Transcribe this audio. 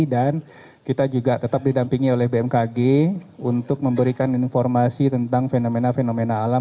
dan kita juga tetap didampingi oleh bmkg untuk memberikan informasi tentang fenomena fenomena alam